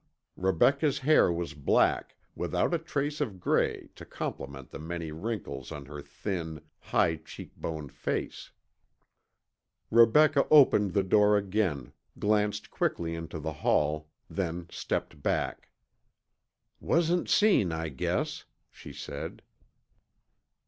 Rebecca's hair was black, without a trace of gray to complement the many wrinkles on her thin, high cheekboned face. Rebecca opened the door again, glanced quickly into the hall, then stepped back. "Wasn't seen, I guess," she said.